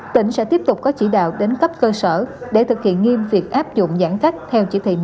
tỉnh sẽ tiếp tục có chỉ đạo đến cấp cơ sở để thực hiện nghiêm việc áp dụng giãn cách theo chỉ thị một mươi chín